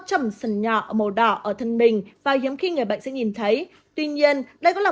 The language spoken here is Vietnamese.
trầm sừng nhỏ màu đỏ ở thân mình và hiếm khi người bệnh sẽ nhìn thấy tuy nhiên đây cũng là